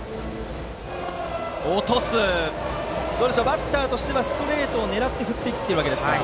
バッターとしてはストレートを狙って振っているんですか？